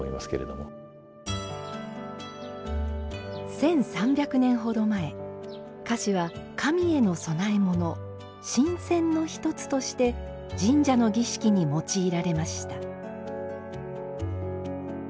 １，３００年ほど前菓子は神への供え物神饌の一つとして神社の儀式に用いられました。